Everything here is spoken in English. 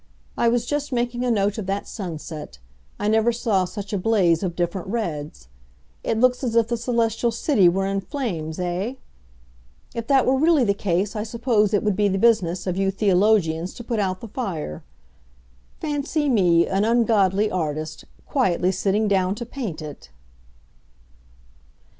I was just making a note of that sunset. I never saw such a blaze of different reds. It looks as if the Celestial City were in flames, eh? If that were really the case I suppose it would be the business of you theologians to put out the fire. Fancy me—an ungodly artist—quietly sitting down to paint it!"